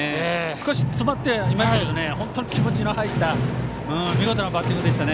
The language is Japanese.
少し詰まってはいましたが本当に気持ちの入った見事なバッティングでした。